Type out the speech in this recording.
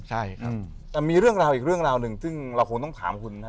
ใช่ครับแต่มีเรื่องราวอีกเรื่องราวหนึ่งซึ่งเราคงต้องถามคุณนะครับ